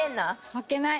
負けない。